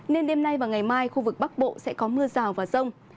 nên đêm nay và ngày mai khu vực bắc bộ sẽ có mưa rào và rông